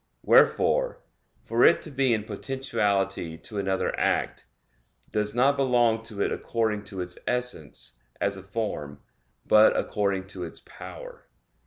Wherefore, for it to be in potentiality to another act, does not belong to it according to its essence, as a form, but according to its power.